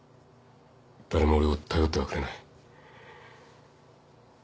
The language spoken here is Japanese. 誰も俺を頼ってはくれない。